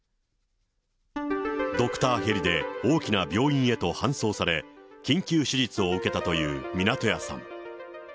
ドクターヘリで大きな病院へと搬送され、緊急手術を受けたという湊屋さん。